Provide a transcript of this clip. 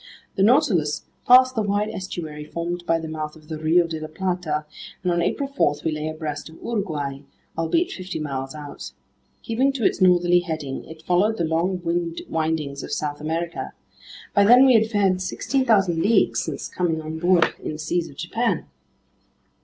The Nautilus passed the wide estuary formed by the mouth of the Rio de la Plata, and on April 4 we lay abreast of Uruguay, albeit fifty miles out. Keeping to its northerly heading, it followed the long windings of South America. By then we had fared 16,000 leagues since coming on board in the seas of Japan.